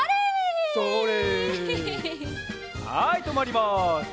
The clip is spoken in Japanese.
はいとまります。